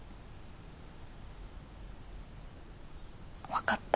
分かった。